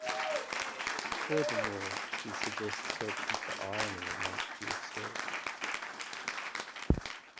Furthermore, he suggests searching for irony amongst the absurdity.